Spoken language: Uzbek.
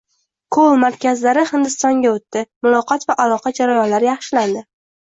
“Call markaz”lari Hindistonga oʻtdi, muloqot va aloqa jarayonlari yaxshilandi.